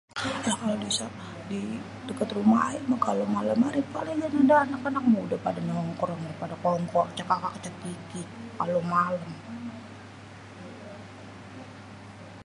Ya kalo desa kampung di deket rumah ayê mêh, kalo malem hari paling dah tu anak-anak udêh padê nongkrong, padê kongko cekakak-cekikik kalo malem.